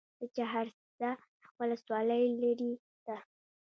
د چهارسده ولسوالۍ لیرې ده